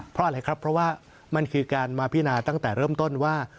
เพราะอะไรครับเพราะว่ามันคือการมาพินาตั้งแต่เริ่มต้นว่า